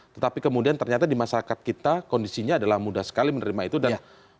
tetapi kemudian ternyata di masyarakat kita kondisinya adalah mudah sekali menerima itu dan mudah sekali menerima itu